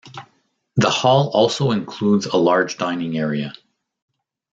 The hall also includes a large dining area.